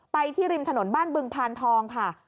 ที่ริมถนนบ้านบึงพานทองค่ะ